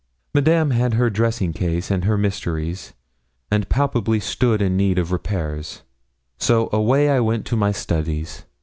Madame had her dressing case and her mysteries, and palpably stood in need of repairs; so away I went to my studies.